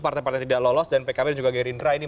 partai partai tidak lolos dan pkb dan juga gerindra ini